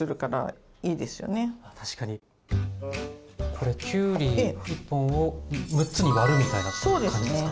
これきゅうり１本を６つに割るみたいな感じですか？